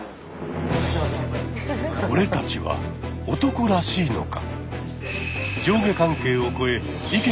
俺たちは男らしいのか？